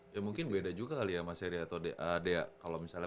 ya mungkin beda juga kali ya mas erya atau dea